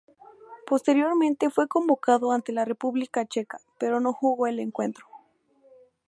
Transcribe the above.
Posteriormente fue convocado ante la República Checa, pero no jugó el encuentro.